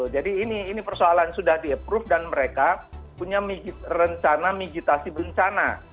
ini persoalan sudah di approve dan mereka punya rencana mijitasi bencana